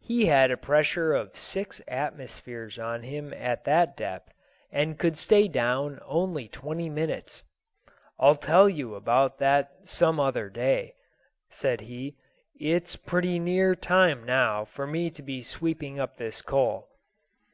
He had a pressure of six atmospheres on him at that depth, and could stay down only twenty minutes. "I'll tell you about that some other day," said he. "It's pretty near time now for me to be sweeping up this coal."